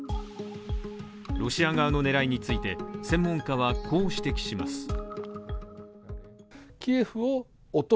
ロシア側の狙いについて専門家はこう指摘します。